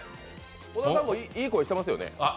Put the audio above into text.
小田さんもいい声してますよね。